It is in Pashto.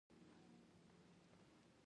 پخپله راته مخامخ پر چوکۍ کښېناست.